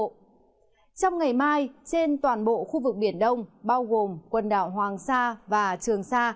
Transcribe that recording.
trong ngày mai trên toàn bộ khu vực biển đông bao gồm quần đảo hoàng sa và trường sa